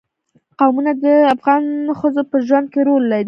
قومونه د افغان ښځو په ژوند کې رول لري.